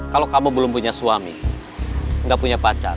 kalau kamu belum punya suami nggak punya pacar